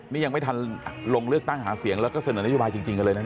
นี่ยังไม่ทันลงเลือกตั้งหาเสียงแล้วก็เสนอนโยบายจริงกันเลยนะ